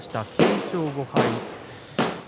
９勝５敗。